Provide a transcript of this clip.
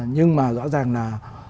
nhưng mà rõ ràng là